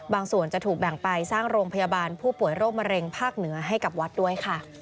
ส่วนจะถูกแบ่งไปสร้างโรงพยาบาลผู้ป่วยโรคมะเร็งภาคเหนือให้กับวัดด้วยค่ะ